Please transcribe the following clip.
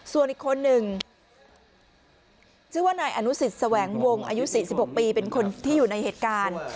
ส่วนอีกคนหนึ่งชื่อว่านายอนุสิตแสวงวงอายุ๔๖ปีเป็นคนที่อยู่ในเหตุการณ์